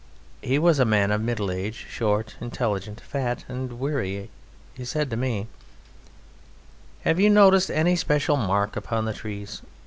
He was a man of middle age, short, intelligent, fat, and weary. He said to me: "Have you noticed any special mark upon the trees?